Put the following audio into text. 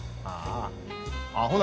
ああ。